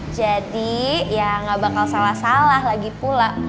jadi ya gak bakal salah salah lagi pula